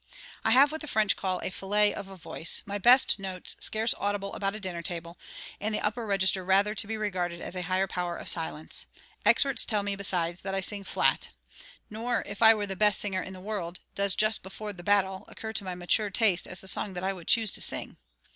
_ I have what the French call a fillet of voice, my best notes scarce audible about a dinner table, and the upper register rather to be regarded as a higher power of silence: experts tell me besides that I sing flat; nor, if I were the best singer in the world, does Just before the Battle occur to my mature taste as the song that I would choose to sing.